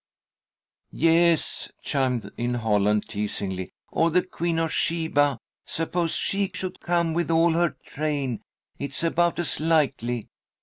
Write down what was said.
"Yes," chimed in Holland, teasingly, "or the Queen of Sheba? Suppose she should come with all her train. It's about as likely.